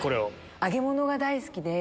揚げ物が大好きで。